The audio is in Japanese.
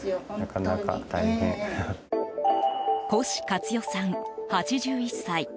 輿勝代さん、８１歳。